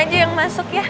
aku aja yang masuk ya